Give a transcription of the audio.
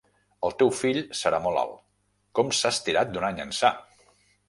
El teu fill serà molt alt: com s'ha estirat d'un any ençà!